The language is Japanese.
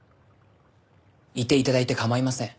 いて頂いて構いません。